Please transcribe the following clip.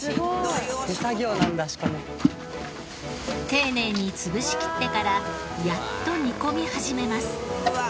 丁寧に潰しきってからやっと煮込み始めます。